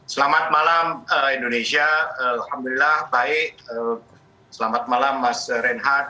selamat malam indonesia alhamdulillah baik selamat malam mas reinhardt